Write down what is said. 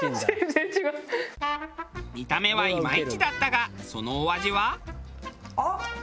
見た目はいまいちだったがそのお味は？あっ！